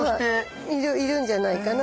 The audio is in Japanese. いるんじゃないかな